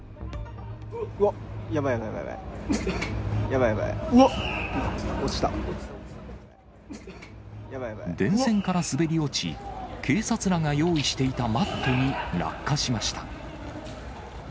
うわっ、やばい、やばい、電線から滑り落ち、警察らが用意していたマットに落下しました。